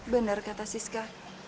benar kata siska